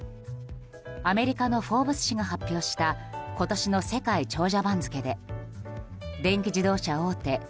アメリカの「フォーブス」誌が発表した今年の世界長者番付で電気自動車大手